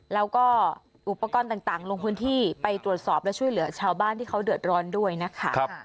แล้วก็อุปกรณ์ต่างลงพื้นที่ไปตรวจสอบและช่วยเหลือชาวบ้านที่เขาเดือดร้อนด้วยนะคะ